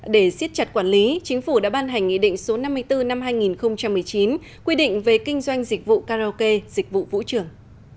để xiết chặt quản lý chính phủ đã ban hành nghị định số năm mươi bốn năm hai nghìn một mươi chín quy định về kinh doanh dịch vụ karaoke dịch vụ vũ trường